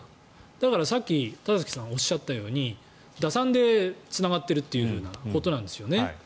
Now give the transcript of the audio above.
だから、さっき田崎さんがおっしゃったように打算でつながっているというふうなことなんですよね。